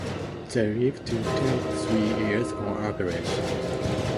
They live two to three years on average.